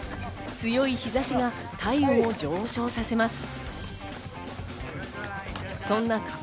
強い日差しが体温を上昇させます。